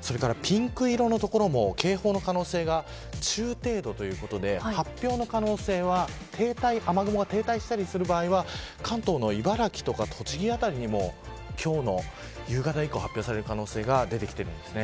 それから、ピンク色の所も警報の可能性が中程度ということで発表の可能性は雨雲が停滞した場合は関東の茨城や栃木辺りにも今日の夕方以降発表される可能性が出てきています。